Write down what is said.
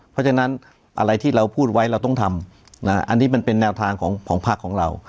เพราะฉะนั้นอะไรที่เราพูดไว้เราต้องทำอันนี้มันเป็นแนวทางของภาคของเรา